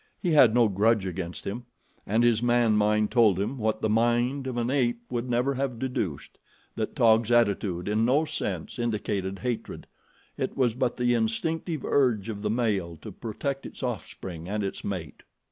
He had no grudge against him, and his man mind told him what the mind of an ape would never have deduced that Taug's attitude in no sense indicated hatred. It was but the instinctive urge of the male to protect its offspring and its mate.